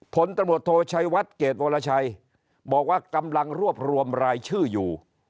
ผลตำรวจโทชัยวัดเกรดวรชัยบอกว่ากำลังรวบรวมรายชื่ออยู่